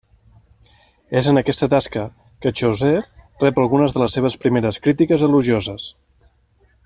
És en aquesta tasca que Chaucer rep algunes de les seves primeres crítiques elogioses.